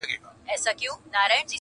د هستۍ یو نوم اجل بل یې ژوندون ,